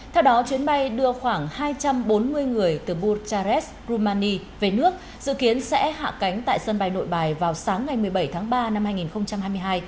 theo đó chuyến bay đưa khoảng hai trăm bốn mươi người từ buchares rumani về nước dự kiến sẽ hạ cánh tại sân bay nội bài vào sáng ngày một mươi bảy tháng ba năm hai nghìn hai mươi hai